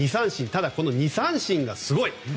ただ２三振がすごい。